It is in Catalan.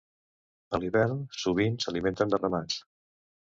A l'hivern, sovint s'alimenten en ramats.